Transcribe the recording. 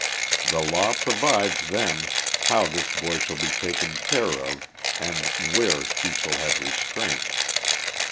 The law provides then how this boj' shall be taken care of and where he shall have restraint.